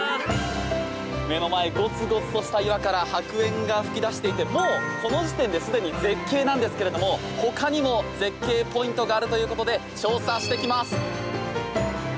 目の前ゴツゴツとした岩から白煙が噴き出していてこの時点ですでに絶景なんですけれどもほかにも絶景ポイントがあるということで調査してきます！